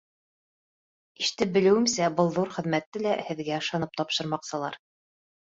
Ишетеп белеүемсә, был ҙур хеҙмәтте лә һеҙгә ышанып тапшырмаҡсылар...